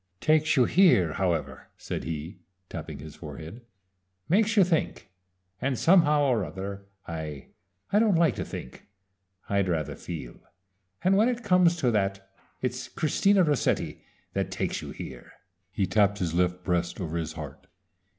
"Takes you here, however," said he, tapping his forehead. "Makes you think and somehow or other I I don't like to think. I'd rather feel and when it comes to that it's Christina Rossetti that takes you here." He tapped his left breast over his heart.